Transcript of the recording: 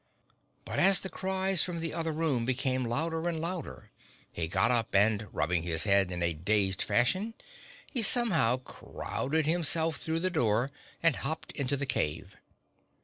But as the cries from the other room became louder and louder he got up and rubbing his head in a dazed fashion he somehow crowded himself through the door and hopped into the cave.